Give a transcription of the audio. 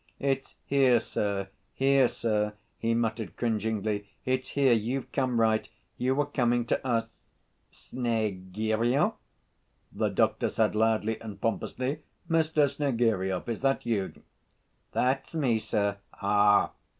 "It's here, sir, here, sir," he muttered cringingly; "it's here, you've come right, you were coming to us..." "Sne‐gi‐ryov?" the doctor said loudly and pompously. "Mr. Snegiryov—is that you?" "That's me, sir!" "Ah!"